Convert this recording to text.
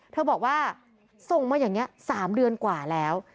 เธอบอกว่าส่งมาอย่างนี้๓เดือนกว่าแล้ว